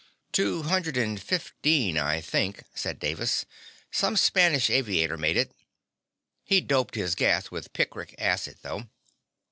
"Two hundred and fifteen, I think," said Davis. "Some Spanish aviator made it. He'd doped his gas with picric acid, though."